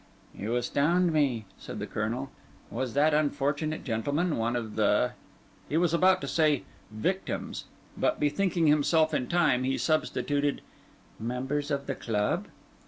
"You astound me," said the Colonel. "Was that unfortunate gentleman one of the—" He was about to say "victims"; but bethinking himself in time, he substituted—"members of the club?"